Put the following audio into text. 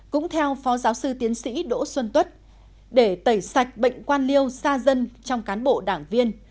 cũng theo phó giáo sư tiến sĩ đỗ xuân tuất để tẩy sạch bệnh quan liêu xa dân trong cán bộ đảng viên